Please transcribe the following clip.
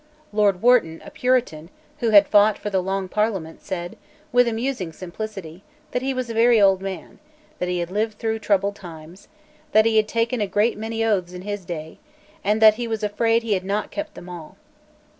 Lord Wharton, a Puritan who had fought for the Long Parliament, said, with amusing simplicity, that he was a very old man, that he had lived through troubled times, that he had taken a great many oaths in his day, and that he was afraid that he had not kept them all.